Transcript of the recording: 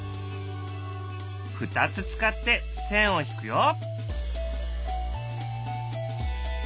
２つ使って線を引くよ。